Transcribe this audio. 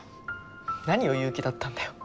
何を言う気だったんだよ。